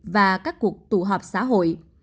và các cuộc tụ họp xã hội